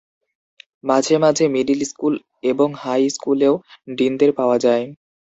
মাঝে মাঝে middle school এবং হাই স্কুলেও ডিনদের পাওয়া যায়।